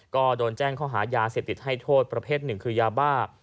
ก็โดนแจ้งข้อหายาเสพติดให้โทษประเภทหนึ่งคือยาบ้า